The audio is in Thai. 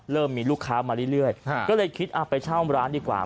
มีลูกค้ามาเรื่อยก็เลยคิดไปเช่าร้านดีกว่า